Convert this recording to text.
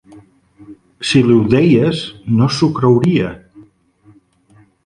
Si li ho deies, no s'ho creuria.